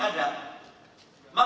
kalau kita belajar